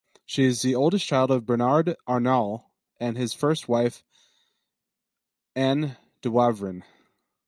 She is the oldest child of Bernard Arnault and his first wife, Anne Dewavrin.